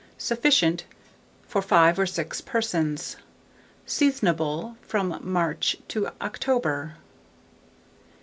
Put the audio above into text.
Sufficient for 5 or 6 persons. Seasonable from March to October.